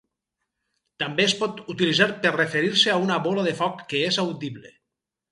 També es pot utilitzar per referir-se a una bola de foc que és audible.